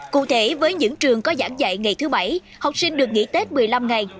cụ thể với những trường có giảng dạy ngày thứ bảy học sinh được nghỉ tết một mươi năm ngày